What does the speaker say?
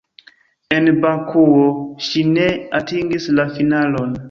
En Bakuo ŝi ne atingis la finalon.